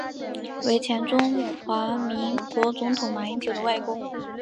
为前中华民国总统马英九的外公。